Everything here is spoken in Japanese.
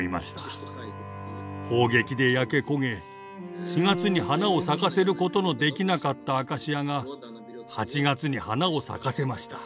砲撃で焼け焦げ４月に花を咲かせることのできなかったアカシアが８月に花を咲かせました。